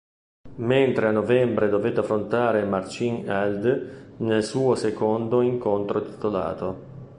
Mentre a novembre dovette affrontare Marcin Held nel suo secondo incontro titolato.